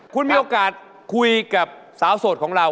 คุณมีโอกาสคุยกับสาวโสดของเรา